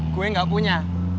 gue gak punya